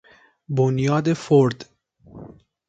بنیاد فورد